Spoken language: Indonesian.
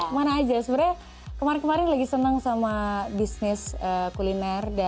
mana aja sebenarnya kemarin kemarin lagi seneng sama bisnis kuliner